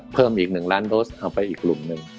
เพิ่มอีก๑ล้านโดสเอาไปอีกกลุ่มหนึ่ง